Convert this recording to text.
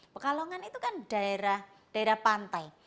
pekalongan itu kan daerah daerah pantai